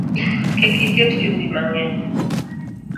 Kik iket chumbi mang’eny